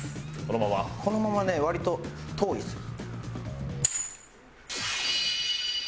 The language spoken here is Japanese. このままね割と遠いですよ。